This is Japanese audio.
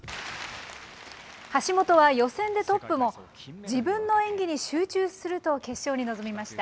橋本は予選でトップも、自分の演技に集中すると決勝に臨みました。